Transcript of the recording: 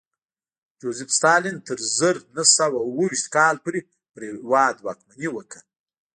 جوزېف ستالین تر زر نه سوه اوه ویشت کال پورې پر هېواد واکمني وکړه